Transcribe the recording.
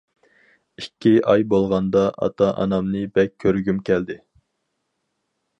ئىككى ئاي بولغاندا ئاتا-ئانامنى بەك كۆرگۈم كەلدى.